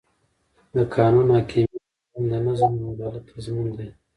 د قانون حاکمیت د ټولنې د نظم او عدالت تضمین دی